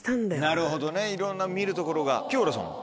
なるほどねいろんな見るところが清原さんは？